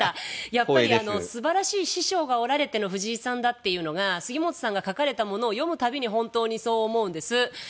やっぱり素晴らしい師匠がおられての藤井さんだというのが杉本さんが書かれたものを読む度に本当にそう思うんです。